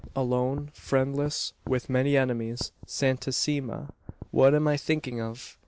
Alone, friendless, with many enemies. Santissima! what am I thinking of?